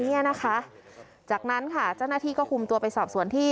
เนี่ยนะคะจากนั้นค่ะเจ้าหน้าที่ก็คุมตัวไปสอบสวนที่